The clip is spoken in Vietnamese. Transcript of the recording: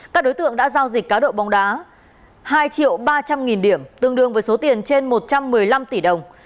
các đối tượng đã giao dịch cá độ bóng đá hai triệu ba trăm linh nghìn điểm tương đương với số tiền trên một trăm một mươi năm tỷ đồng